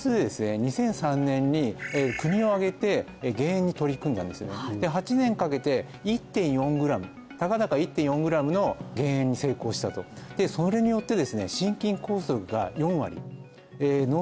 ２００３年に国を挙げて減塩に取り組んだんですねで８年かけて１．４グラムたかだか１．４グラムの減塩に成功したとでそれによってですねすごい！